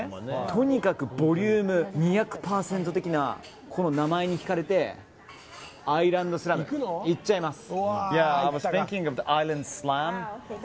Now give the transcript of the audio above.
とにかくボリューム２００％的なこの名前に引かれてアイランドスラムいっちゃいます。